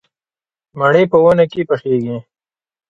مڼې په ونې کې پخېږي